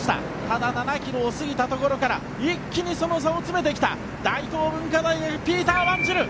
ただ７ｋｍを過ぎたところから一気にその差を詰めてきた大東文化大学ピーター・ワンジル